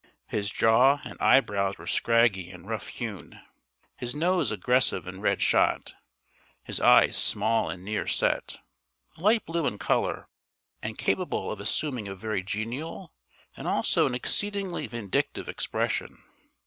His jaw and eyebrows were scraggy and rough hewn, his nose aggressive and red shot, his eyes small and near set, light blue in colour, and capable of assuming a very genial and also an exceedingly vindictive expression.